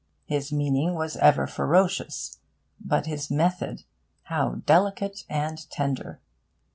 His meaning was ever ferocious; but his method, how delicate and tender!